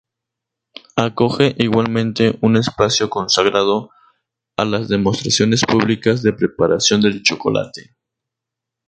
Acoge igualmente un espacio consagrado a las demostraciones públicas de preparación del chocolate.